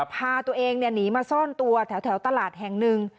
พาตัวเองหนีมาซ่อนตัวแถวตลาดแห่งหนึ่ง